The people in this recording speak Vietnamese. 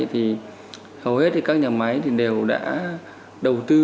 thì hầu hết các nhà máy đều đã đầu tư